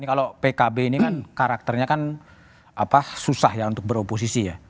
kalau pkb ini kan karakternya kan susah ya untuk beroposisi ya